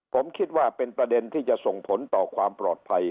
ผมคิดว่าเป็นประเด็นที่จะส่งผลต่อความปลอดภัย